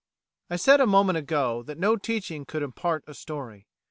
I said a moment ago that no teaching could impart a story.